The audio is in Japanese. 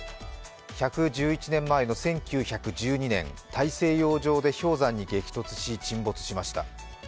１１１年前の１９１２年、大西洋上で氷山に激突し、沈没しました。